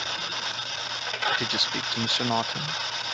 Did you speak to Mr. Norton?